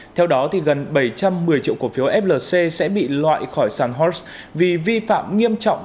theo đó thì gần bảy trăm một mươi triệu cổ phiếu flc sẽ bị loại khỏi sản horses vì vi phạm nghiêm trọng